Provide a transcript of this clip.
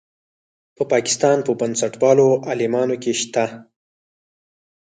په پاکستان په بنسټپالو عالمانو کې شته.